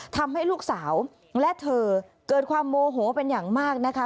ทำให้ลูกสาวและเธอเกิดความโมโหเป็นอย่างมากนะคะ